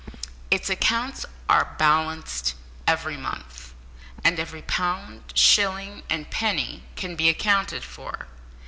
Its accounts are balanced every month, and every pound, shilling, and penny can be accounted for.